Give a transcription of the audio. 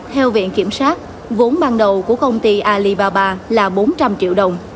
theo viện kiểm sát vốn ban đầu của công ty alibaba là bốn trăm linh triệu đồng